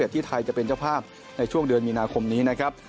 ที่ไทยจะเป็นเจ้าภาพในช่วงเดือนมีนาคมนี้นะครับ